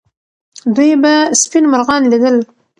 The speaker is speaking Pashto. دوی به سپین مرغان لیدل.